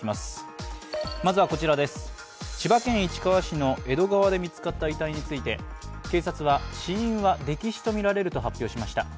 千葉県市川市の江戸川で見つかった遺体について警察は、死因は溺死とみられると発表しました。